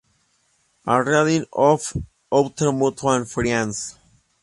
A Reading of "Our Mutual Friend"".